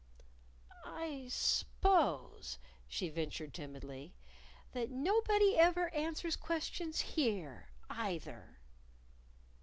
"I s'pose," she ventured timidly, "that nobody ever answers questions here, either."